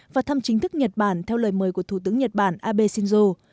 và thăm chính thức nhật bản theo lời mời của thủ tướng nhật bản abe shinzo